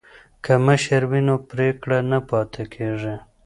که مشر وي نو پریکړه نه پاتې کیږي.